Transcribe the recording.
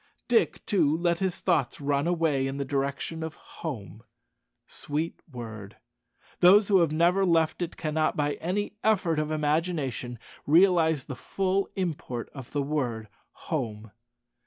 Dick, too, let his thoughts run away in the direction of home. Sweet word! Those who have never left it cannot, by any effort of imagination, realize the full import of the word "home."